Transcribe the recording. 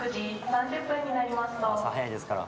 朝早いですから。